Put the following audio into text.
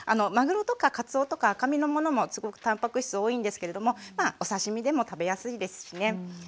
マグロとかカツオとか赤身のものもすごくたんぱく質多いんですけれどもまあお刺身でも食べやすいですしね。